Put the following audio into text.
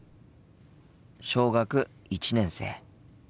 小学１年生。